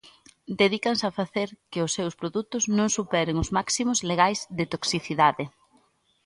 Dedícanse a facer que os seus produtos non superen os máximos legais de toxicidade.